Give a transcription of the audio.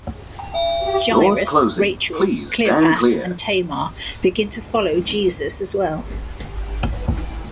Jairus, Rachel, Cleopas, and Tamar begin to follow Jesus' as well.